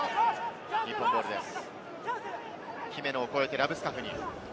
日本ボールです。